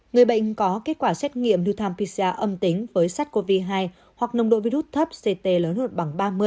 người bệnh có kết quả xét nghiệm dutampisa âm tính với sát covid hai hoặc nồng độ virus thấp ct lớn hơn bằng ba mươi